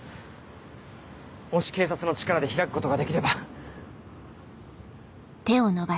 もし警察の力で開くことができれば。